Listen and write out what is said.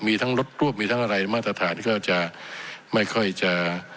มีทั้งรถรวบมีทั้งอะไรมาตรฐานก็จะไม่ค่อยจะ